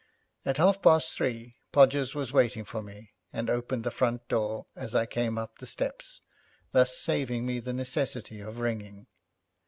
At half past three Podgers was waiting for me, and opened the front door as I came up the steps, thus saving me the necessity of ringing.